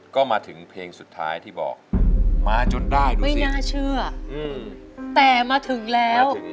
ก็มาถึงเพลงสุดท้ายที่บอกมาจนได้ด้วยไม่น่าเชื่อแต่มาถึงแล้ว